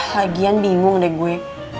lagian bingung deh gue